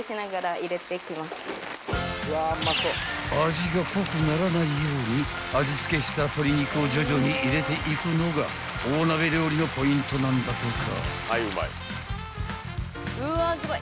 ［味が濃くならないように味付けした鶏肉を徐々に入れていくのが大鍋料理のポイントなんだとか］